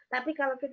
jadi kita harus